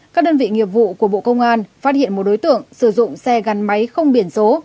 các đơn vị nghiệp vụ của bộ công an phát hiện một đối tượng sử dụng xe gắn máy không biển số